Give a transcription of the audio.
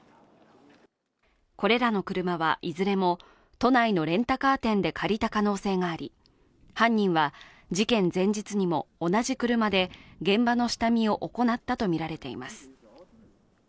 これらの車はいずれも都内のレンタカー店で借りた可能性があり、犯人は事件前日にも同じ車で現場の下見を行ったとみられています。